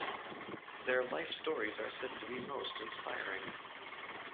Their life stories are said to be most inspiring.